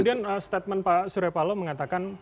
kemudian statement pak surya paloh mengatakan